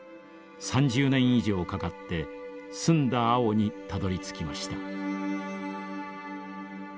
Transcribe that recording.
３０年以上かかって澄んだ青にたどりつきました。